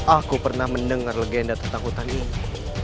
aku pernah mendengar legenda tentang hutan ini